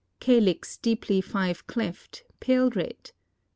Calyx deeply five cleft, pale red.